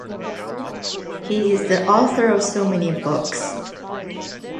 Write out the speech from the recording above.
He is the author of so many books.